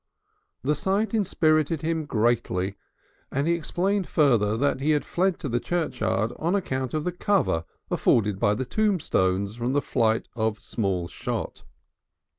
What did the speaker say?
The sight inspirited him greatly, and he explained further that he had fled to the churchyard on account of the cover afforded by tombstones from the flight of small shot.